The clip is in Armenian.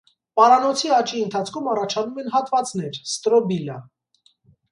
Պարանոցի աճի ընթացքում առաջանում են հատվածներ (ստրոբիլա)։